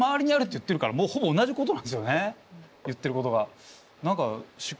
言ってることが。